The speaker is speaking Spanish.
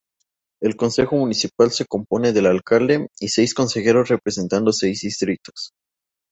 El consejo municipal se compone del alcalde y de seis consejeros representando seis distritos.